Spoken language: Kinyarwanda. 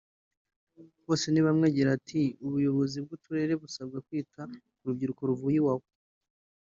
Bosenibamwe agira ati” Ubuyobozi bw’uturere busabwa kwita ku rubyiruko ruvuye Iwawa